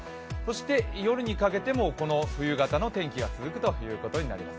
夜にかけてもこの冬型の天気が続くことになります。